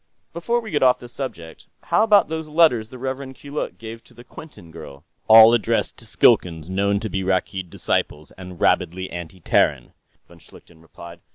"Before we get off the subject, how about those letters the Rev. Keeluk gave to the Quinton girl?" "All addressed to Skilkans known to be Rakkeed disciples and rabidly anti Terran," von Schlichten replied.